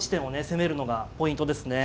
攻めるのがポイントですね。